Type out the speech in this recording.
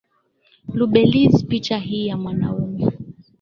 lubeliz picha hii ya mwanaume